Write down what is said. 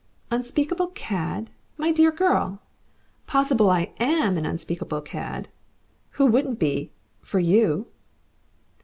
"Unspeakable cad! My dear girl! Possible I AM an unspeakable cad. Who wouldn't be for you?"